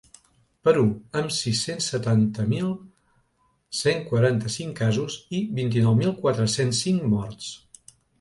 Perú, amb sis-cents setanta mil cent quaranta-cinc casos i vint-i-nou mil quatre-cents cinc morts.